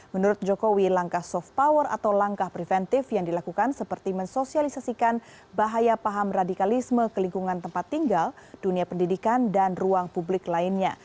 menurut jokowi langkah soft power atau langkah preventif yang dilakukan seperti mensosialisasikan bahaya paham radikalisme ke lingkungan tempat tinggal dunia pendidikan dan ruang publik lainnya